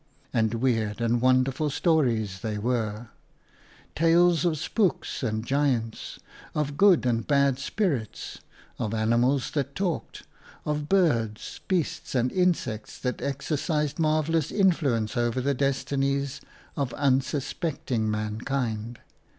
And weird and wonderful stories they were — tales of spooks and giants, of good and bad spirits, of animals that talked, of birds, beasts and insects that exercised marvellous influence over the destinies of unsuspecting mankind.